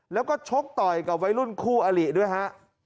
แล้วก็ชกต่อยกับวัยรุ่นคู่อลิด้วยฮะ